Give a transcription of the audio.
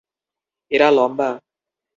এরা লম্বা।